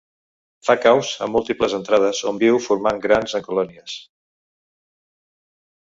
Fa caus amb múltiples entrades on viu formant grans en colònies.